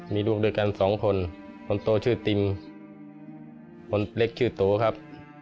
มีลูกด้วยกันสองคนคนโตชื่อติมคนเล็กชื่อโตครับ